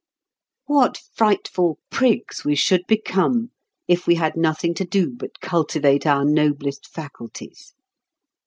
What frightful prigs we should become if we had nothing to do but cultivate our noblest faculties!